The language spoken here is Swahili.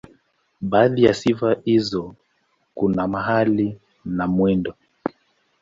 Baadhi ya sifa hizo kuna mahali na mwendo.